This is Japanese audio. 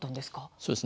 そうですね。